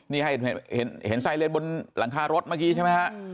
นี่ให้เห็นไซเรนบนหลังคารถเมื่อกี้ใช่ไหมฮะ